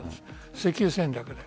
石油戦略で。